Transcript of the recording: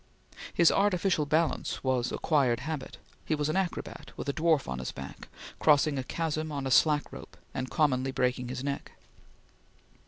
His artificial balance was acquired habit. He was an acrobat, with a dwarf on his back, crossing a chasm on a slack rope, and commonly breaking his neck.